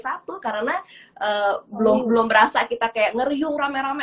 kita mengalami apa suasana sebelum v satu karena belum belum berasa kita kayak ngeriung rame rame